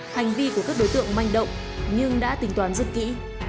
hành vi của các đối tượng manh động nhưng đã tính toán rất kỹ